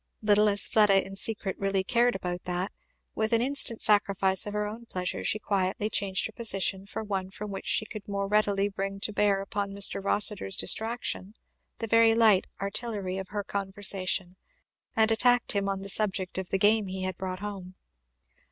Little as Fleda in secret really cared about that, with an instant sacrifice of her own pleasure she quietly changed her position for one from which she could more readily bring to bear upon Mr. Rossitur's distraction the very light artillery of her conversation; and attacked him on the subject of the game he had brought home.